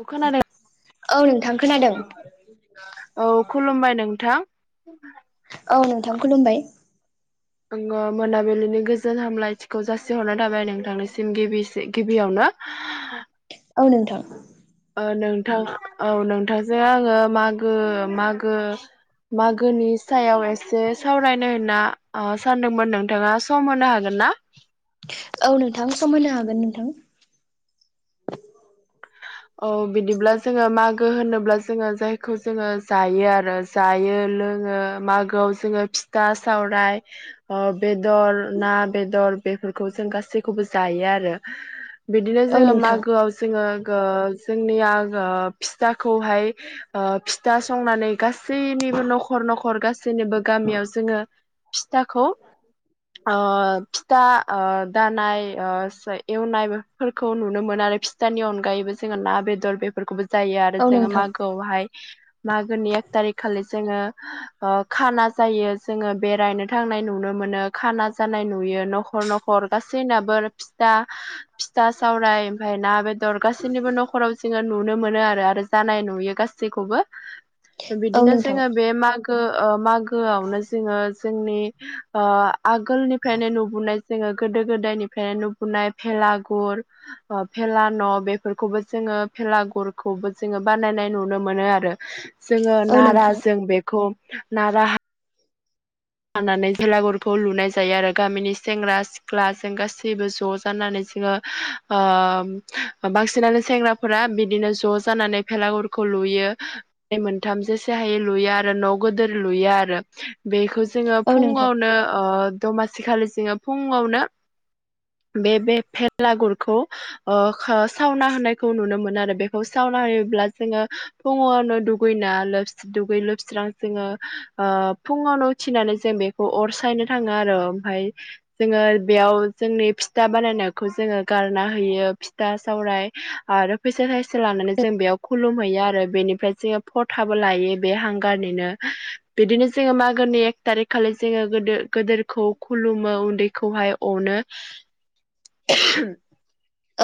अ खोनादो औ नोंथां खोनादों औ खुलुमबाय नोंथां औ नोंथां खुलुमबाय आङो मोनाबिलिनि गोजोन हामलायथिखौ जासिहरनाय थाबाय नोंथांनिसिम गिबिसि गिबियावनो [inaudible] ओं नोंथां ओ नोंथां औ नोंथांजों आङो मागो मागो मागोनि सायाव एसे सावरायनो होनना सानदोंमोन नोंथाङा सम होनो हागोन ना औ नोंथां सम होनो हागोन नोंथां औ बिदिब्ला जोङो मागो होनोब्ला जोङो जायखौ जोङो जायो आरो जायो लोङो मागोआव जोङो फिथा सावराय अ बेदर ना बेदर बेफोरखौ जों गासैखौबो जायो आरो बिदिनो औ जोङो नोंथां मागोआव जोङो गो जोंनि फिथाखौहाय ओ फिथा संनानै गासैनिबो न'खर न'खर गासैनिबो गामियाव जोङो फिथाखौ ओ फिथा दानाय एवनाय बेफोरखौ नुनो मोनो आरो फिथानि अनगायैबो जोङो ना बेदर बेफोरखौबो जायो आरो औ जोङो नोंथां मागोआवहाय मागोनि एक थारिख खालि जोङो खाना जायो जोङो बेरायनो थांनाय नुनो मोनो खाना जानाय नुयो न'खर न'ख खर गासैनाबो फिथा फिथा सावराय ओमफ्राय ना बे दर गासैनिबो न'खराव जोङो नुनो मोनो आरो आरो जानाय नुयो गासैखौबो औ बिदिनो नोंथां जोङो बे मागो मागोआवनो जोङो जोंनि आगोलनिफ्रायनो नुबोनाय जोङो गोदो गोदायनिफ्रायनो नाय भेलागुर ओ भेला न' बेफोरखौबो जोङो भेलागुरखौबो जोङो बानायनाय नुनो मोनो आरो जोङो औ नारा नोंथां जों बेखौ नारा हानानानै जेलागुरखौ लुनाय जायो आरो गामिनि सेंग्रा सिख सिख्लाजों गासैबो ज' जानानै जोङो ओ बांसिनानो सेंग्रा फोरा बिदिनो ज' जानानै भेलागुरखौ लुयो मोनथाम जेसे हायै लुयो आरो न' गोदोर लुयो आरो बेखौ जोङो औ नोंथां फुङावनो दमासि खालि जोङो फुङावनो बे बे भेलागुरखौ ओ सावना होनायखौ नुनो मोनो आरो बेखौ सावना होयोब्ला जोङो फुङावनो दुगैना लोब दुगै लोबस्रां जोङो फुङावनो उथिनानै जों बेखौ अर सायनो थाङो आरो ओमफ्राय जोङो बेयाव जोंनि फिथा बानायनायखौ जोङो गारना होयो फिथा सावराय आरो फैसा थाइसे लानानै जों बेयाव खुलुम हैयो बेनिफ्राय जोङो फथाबो लायो बे हांगारनिनो बिदिनो जोङो मागोनि ए अटारिक खालि जोङो गोदो गोदोरखौ खुलुमो उन्दैखौहाय अनो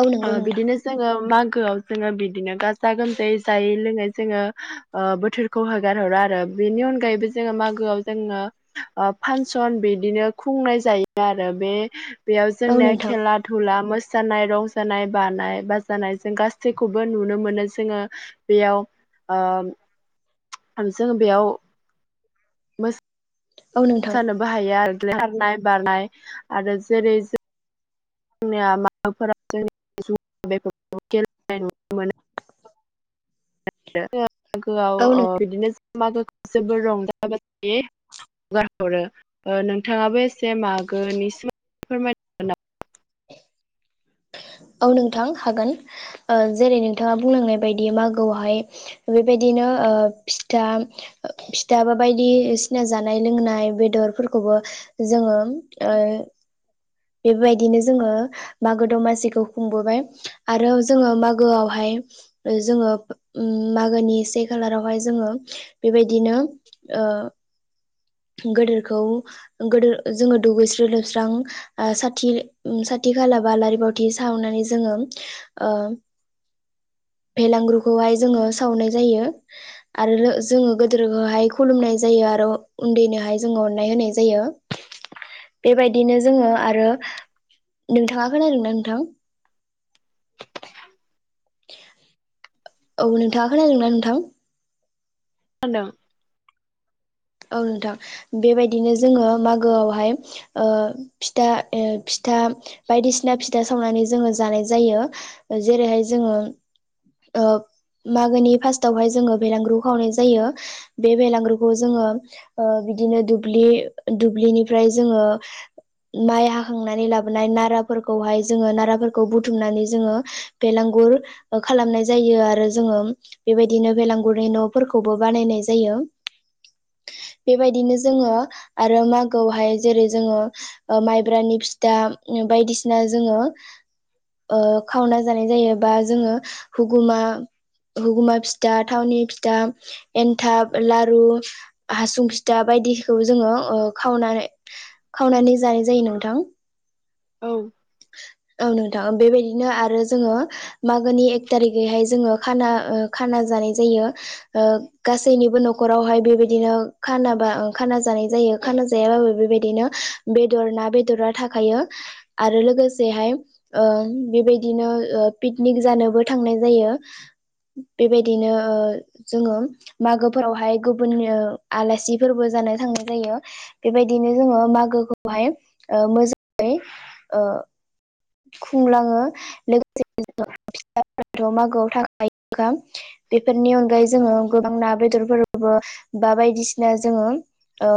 औ ओ नंगौ नोंथां बिदिनो जोङो मागोआव जोङो बिदिनो गाजा गोमजायै जायै लोङै जोङो ओ बोथोरखौ होगार हरो आरो बेनि अनगायैबो जोङो मागोआव जोङो फांसन बिदिनो खुंनाय जायो आरो बे बेयाव औ जोंनि नोंथां खेला धुला मोसानाय रंजानाय बानाय बाजानाय जों गासैखौबो नुनो मोनो जोङो। बेयाव ओ सानैसो बेयाव औ नोंथां सानोबो हायो आरो सारनाय बारनाय आरो जेरै जोंनि माबाफोरा जों बेफोरखौेलेनाय ना मागोआव औ ओ बिदिनो मागोखौ जोबोर रंजागोन गारहरो नोंथाङाबो एसे मागोनि सो औ नोंथां हागोन जेरै नोंथाङा बुंलांनाय बायदि मागोआवहाय बेबायदिनो ओ फिथा फिथा बा बायदिसिना जानाय लोंनाय बेदरफोरखौबो जोङो ओ बेबायदिनो जोङो मागो दमासिखौ खुंबोबाय आरो जोङो मागोआवहाय जोङो मागोनि से खालारावहाय जोङो बेबायदिनो ओ गोदोरखौ गोदोर जोङो दुगैस्रां-लोबस्रां लोबस्रां सा साथि खाला बा आलारि बावथि सावनानै जोङो ओ भेलांगुरुखौहाय जोङो सावनाय जायो। आरो जोङो गोदोरहाय खुलुमनाय जायो आरो उन्दैनोहाय जोङो अननाय होनाय जायो। बेबायदिनो जोङो आरो नोंथाङा खोनादोंनाा नोंथां। औ नोंथाङा खोनादोंना नोंथां। खोनादों। औ नोंथां बेबायदिनो जोङो मागोआवहाय फिथा फिथा बायदिसिना फिथा सावनानै जोङो जानाय जायो जेरैहाय जोङो फार्स्टावहाय जोङो बेलांग्रु खावनाय जायो बे बेलागुर खौ जोङो बिदिनो दुब दुब्लिनिफ्राय जोङो माइ आ खांनानै लाबोनाय नाराफोरखौहाय जोङो नाराफोरखौ बुथुमनानै जोङो बेलांगुर खालामनाय जायो आरो जोङो बेबायदिनो बेलाांगुरनि न'फोरखौबो बानायनाय जायो। बेबायदिनो जोङो आरो मागोआवहाय जेरै जोङो माइब्रानि फिथा बायदिसिना जोङो ओ खावना जानाय जायो बा जोङो हुगुमा हुगुमा फिथा थावनि फिथा एन्थाब लारु हासुं फिथा बायदिखौ जोङो खावनानै खावनानै जानाय जायो नोंथां। औ। औ नोंथाङा बेबायदिनो आरो जोङो मागोनि एक थारिखैहाय जोङो खाना खाना जानाय जायो ओ गासैनिबो न'खरावहाय बेबायदिनो खानाबा खाना जानाय जायो खाना जायाबाबो बेबायदिनो बेदर ना बेदरा थाखायो आरो लोगो लोगोसेहाय बेबायदिनो पिकनिक जानोबो थांनाय जायो। बेबायदिनो ओ जोङो मागोफोरावहाय गुबुननि आलासिफोरबो जानो थांनाय जायो। बेबायदिनो ओ जोङो मागोखौहाय मोजाङै ओ खुंलाङो लोगोसे ज फिसाफोराथ' मागोआव थाखायो। बेफोरनि अनगायै जोङो गोबां ना बेदरफोरबो बा बायदिसिना जोङो ओ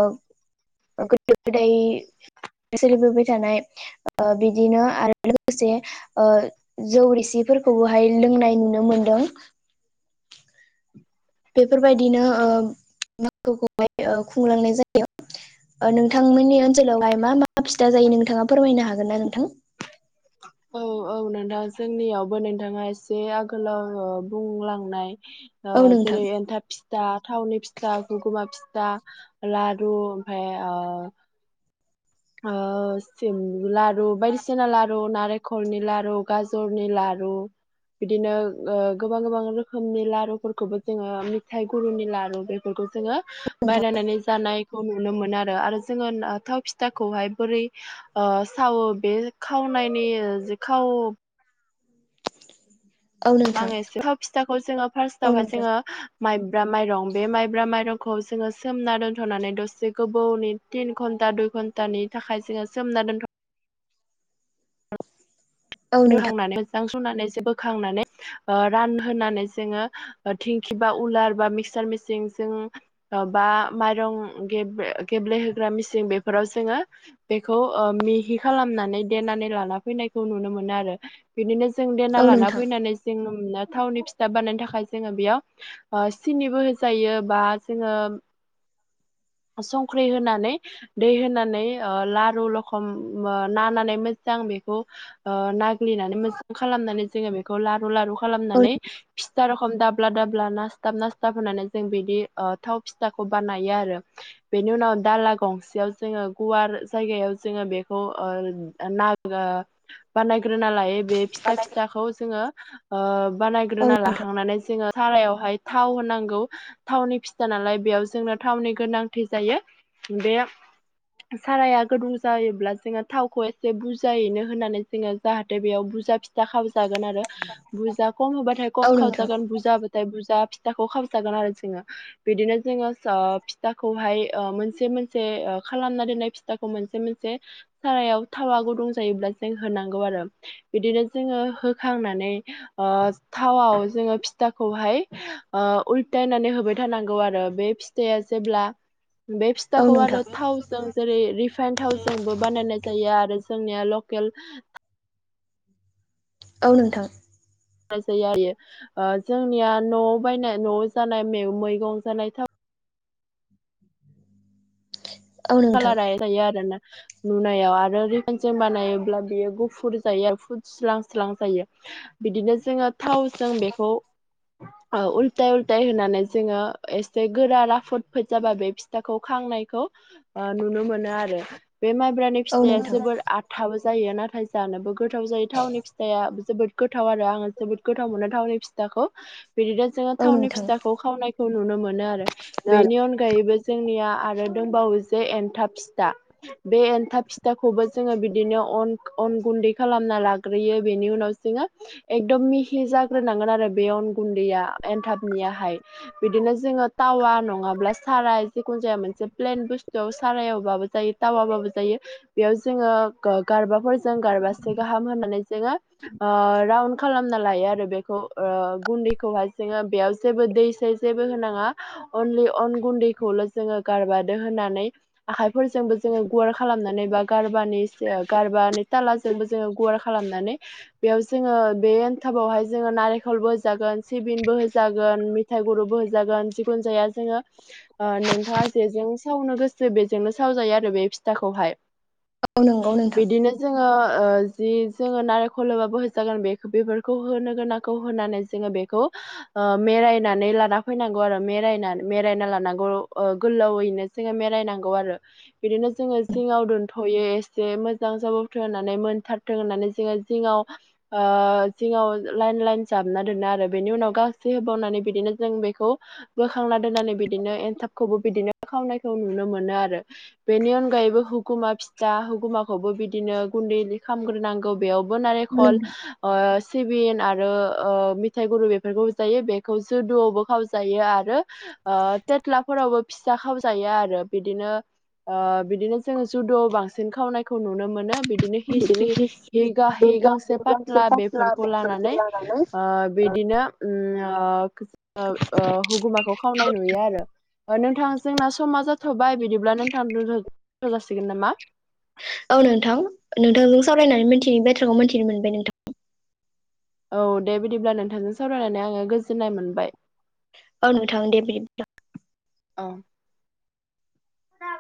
गो गोदाय सोलिबोबाय थानाय बिदिनो आरो लोगोसे जौ रिसिफोरखौबोहाय लोंनाय नुनो मोनदों। बेफोरबायदिनो ओ मागोखौहाय खुंलांनाय जायो। नोंथांमोननि ओनसोलावहाय मा मा फिथा जायो नोंथाङा फोरमायनो हागोन ना नोंथां? औ औ नोंथां जोंनियावबो नोंथाङा एसे आगोलाव बुंलांनाय ओ औ नोंथां जेरै एन्थाब फि फिथा थावनि फिथा, गुगुमा फिथा, लरु ओमफ्राय ओ ओ सिम लारु बायदिसिना लारु नारेंख मखरनि लारु गाजरनि लारु बिदिनो गोबां गोबां रोखोमनि लारुफोरखौबो जोङो मिथाइ गुरुनि लारु बे बेफोरखौ जोङो नोंथां बानायनानै जानायखौ नुनो मोनो आरो जोङो थाव फि थाखौहाय बोरै ओ सावो बे खावनायनि जि खाव औ नोंथां बाङायसो थाव फिथाखौ जोङो फार्स्ट आवहाय जोङो माइब्रा माइरं बे माइब्रा माइरंखौ जोङो सोमना दोन्थ'नानै दसे गोबावनि तिन घन्टा दुइ घन्टानि थाखाय जोङो सोमना दोनथ' औ नोंथां लुखांनानै मोजां सुनानै जे बोखांनानै ओ रानहोनानै जोङो थिंखि बा उलार बा मिक्सार मेसिन जों बा माइरं गेब्लेहोग्रा मेसिं बेफोराव जोङो बेखौ ओ मिहि खालामनानै देनानै लाना फैनायखौ नुनो मोनो। मोन आरो। बिदिनो जों देना औ लाना नोंथां फैनानै जोङो थावनि फिथाब बानायनो थाखाय जोङो बेयाव सिनिबो होजायो बा जोङो संख्रि होनानै दै होनानै लारु रखम नानानै मोजां बेखौ ओ नाग्लिनानै मोजां खालामनानै जोङो बेखौ लारु लारु औ नोंथां खालामनानै फिथा रखम दाब्ला दाब अब्ला नासथाब नासथाब होनानै जों बिदि ओ थाव फिथाखौ बानायो आरो। बेनि उनाव दाला गंसेयाव जोङो गुवार जायगायाव जोङो बेखौ नाग ओ बानायग्रोना लायो। बे फिथा फिथाखौ जोङो औ बानायग्रोना लाखांनानै जोङो सारायावहाय थाव होनांगौ थावनि फिथा नालाय बेयाव जोंनो थावनि गोनांथि जायो। बे साराया गोदुं जायोब्ला जोङो थावखौ एसे बुरजायैनो होनानै जोङो जाहाथे बेयाव बुरजा फिथा खावजागोन आरो। बुरजा खम होबाथाय औ औ खम नोंथां खालामजागोन। जाबाथाय बुरजा फिथाखौ खालाम जागोन आरो जोङो। बिदिनो जोङो फिथाखौहाय ओ मोनसे मोनसे खालामना दोननाय फि थाखौ मोनसे मोनसे सारायाव थावा गुदुं जायोब्लाथाय होनांगौ आरो। बिदिनो जोङो होखांनानै थावाव जोङो फिथाखौहाय उल्थायनानै होबाय थानांगौ आरो बे फिथाआ जेब्ला बे औ फिथाखौ आरो नोंथां थावजों जेरै रिफाइन थावजोंबो बानायनाय जायो आरो जोंनिया लकेल औ नोंथां। जोंनिया न'आव बायनाय न'आव जानाय मैगं जानाय दाव। औ नोंथां खालाराय जायो आरोना। नुनायाव आरो रिफायनजों बानायोब्ला बेयो गुफुर जायो आरो फुदस्लांस्लां जायो। बिदिनो जोङो थावजों बेखौ ओ उल्थाय उल्थाय होनानै जोङो एसे गोरा राफोदफोद जाबा बे फि थाखौ खांनायखौ नुनो मोनो आरो। बे माइब्रानि औ फिथाया नोंथां जोबोर आथाबो जायो नाथाय जानोबो गोथाव जायो थावनि फिथाया जोबोद। गोथाव आरो आङो जोबोद गोथाव मोनो थावनि फिथाखौ। बिदिनो जोङो औ थावनि नोंथां फिथाखौ खावनायखौ नुनो मोनो आरो। बेनि अनगायैबो जोंनिया आरो दंबावो जे एनथाब फिथा बे एन्थाब फिथाखौबो जोङो बिदिनो अन अन गुन्दै खालामना लाग्रोयो बेनि उनाव जोङो एकदम मिहि जाग्रोनांगोन आरो बे अन गुन्दैया एनथाबनियाहाय। बिदिनो जोङो टावा नङाब्ला साराय जिखुनु जाया मोनसे प्लेन बुस्तु बे सारायावबाबो जायो टावाबाबो जायो बेयाव जोङो गारबाफोर जों गारबासे गाहाम होनानै जोङो ओ खालामना लायो आरो बेखौ ओ गुन्दैखौहाय जोङो बेयाव जेबो दै सै जेबो होनाङा। अनलि अन गुन्दैखौल' जोङो गारबादो होनानै आखाइफोरजोंबो जोङो गुवार खालामनानै बा गारबानि गारबानि तालाजोंबो जोङो गुवार खालामनानै बेयाव जोङो बे एनथाबावहाय जोङो नारेंखलबो होजागोन सिबिनबो होजागोन। फिथाइ गुर'बो होजागोन जिखुन जाया जोङो ओ नोंथाङा जेजों सावनो गोसो बेजोंनो सावजायो आरो बे फिथाखौहाय। औ नंगौ नोंथां बिदिनो जोङो ओ जि जोङो नारेंखल होबाबो हो जागोन बे बेफोरखौ होनो गोनांखौ होनानै जोङो बेखौ ओ मेरायनानै लाना फैनांगौ आरो मेरायना मेरायना लानांगौ ओ गोलावयैनो जोङो मिरायनांगौ आरो। बिदिनो जोङो जिङाव दोनथ'यो एसे मोजां जाबोथों होननानै मोनथारथों होननानै जोङो जिङाव ओ जिङाव लाइन लाइन जाबना दोनो आरो बेनि उनाव गांसो होबावनानै बिदिनो जों बेखौ। बोखांना दोननानै बिदिनो एन्थाबखौबो बिदिनो बो खावनायखौ नुनो मोनो आरो। बेनि अनगायैबो हुगुमा फिथा हुगुमाखौबो बिदिनो गुन्दै खालामग्रोनां खौ बेयावबो औ नारेंखल नोंथां ओ सिबिन आरो ओ मिथाइ गुर बेफोरखौ जायो बेखौ जुदुआवबो खावजायो आरो ओ थेथ्लाफोरावबो फिसा खाव जायो आरो बिदिनो ओ बिदिनो जों जुद' बांसिन खावनायखौ नुनो मोनो बि बिदिनो हिस्रि हिगा हि गांसे पाथ्ला बेफोरखौ लानानै ओ बिदिनो उम ओ ओ ओ हुगुमाखौ खावनाय नुयो आरो नोंथां मा जाथ'बाय बिदिब्ला नोंथां जासिगोन नामा। औ नोंथां नोंथांजों सावरायनानै मिथियै बाथ्राखौ मिथिनो मोनबाय नोंथां। औ दे बिदिब्ला नोंथांजों सावरायनानै आङो गोजोननाय मोनबाय। औ नोंथां दे बि औ। [unintelligible]